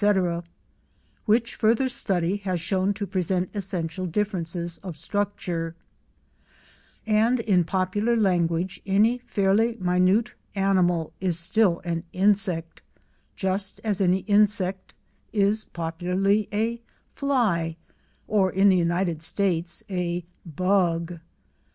—which further study has shown to present essential differences of structure, and in popular language any fairly minute animal is still an insect, just as any insect is popularly a "fly"—or, in the United States, a "bug."